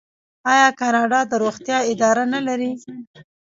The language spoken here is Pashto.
آیا کاناډا د روغتیا اداره نلري؟